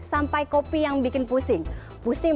sampai kopi yang bikin pusing pusing